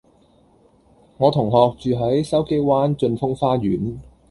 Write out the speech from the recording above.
我同學住喺筲箕灣峻峰花園